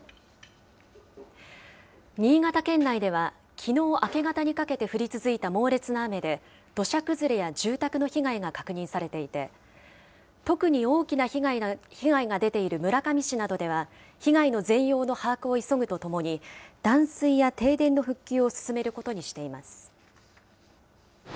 新潟県内では、きのう明け方にかけて降り続いた猛烈な雨で土砂崩れや住宅の被害が確認されていて、特に大きな被害が出ている村上市などでは、被害の全容の把握を急ぐとともに、断水や停電の復旧を進めることにしています。